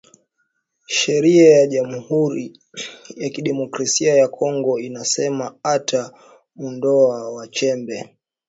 Sheria ya jamuri ya ki democracia ya kongo ina sema ata mu ndowa wa chumbe